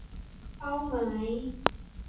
เป้าหมาย